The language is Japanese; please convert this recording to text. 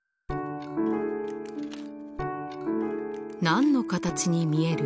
何の形に見える？